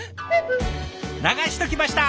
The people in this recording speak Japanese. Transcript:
流しときました！